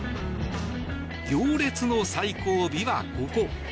行列の最後尾はここ。